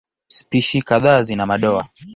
Spishi kadhaa zina madoa.